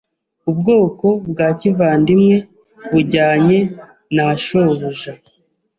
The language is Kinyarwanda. ubwoko bwa kivandimwe bujyanye nashobuja